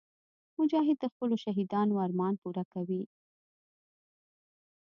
مجاهد د خپلو شهیدانو ارمان پوره کوي.